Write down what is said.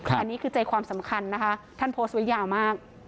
อันนี้คือใจความสำคัญนะคะท่านโพสต์ไว้ยาวมาก